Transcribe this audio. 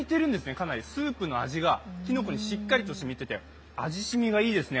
かなりスープの味がきのこにしっかりしみてて味しみがいいですね。